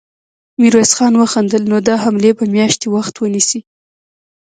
ميرويس خان وخندل: نو دا حملې به مياشتې وخت ونيسي.